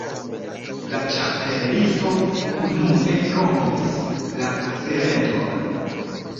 La Ĉapelisto unue rompis la silenton.